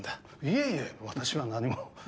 いえいえ私は何も。